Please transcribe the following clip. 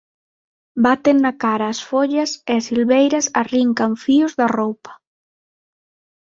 Baten na cara as follas e as silveiras arrincan fíos da roupa.